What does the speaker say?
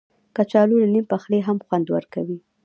کچالو له نیم پخلي هم خوند ورکوي